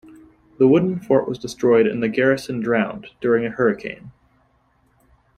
The wooden fort was destroyed and the garrison drowned, during a hurricane.